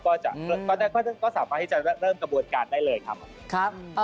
ตอนแรกก็สามารถที่จะเริ่มกระบวนการได้เลยครับ